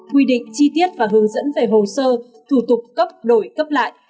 quy định chi tiết và hướng dẫn về hồ sơ thủ tục cấp đổi cấp lại